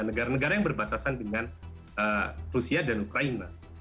negara negara yang berbatasan dengan rusia dan ukraina